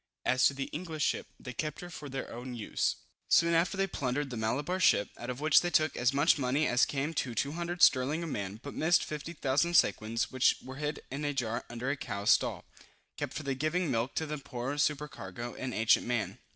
As to the English ship, they kept her for their own use. Soon after they plundered the Malabar ship, out of which they took as much money as came to £200 sterling a man, but missed 50,000 sequins, which were hid in a jar under a cow's stall, kept for the giving milk to the Moor supercargo, an ancient man.